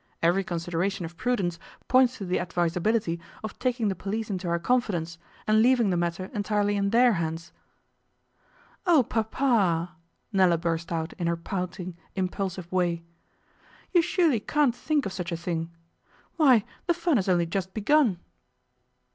Every consideration of prudence points to the advisability of taking the police into our confidence, and leaving the matter entirely in their hands.' 'Oh, Papa!' Nella burst out in her pouting, impulsive way. 'You surely can't think of such a thing. Why, the fun has only just begun.